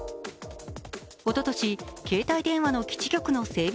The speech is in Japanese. おととし、携帯電話の基地局の整備